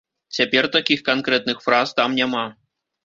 Цяпер такіх канкрэтных фраз там няма.